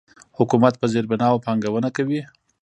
حکومت په زیربناوو پانګونه کوي.